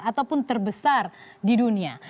ataupun terbesar di dunia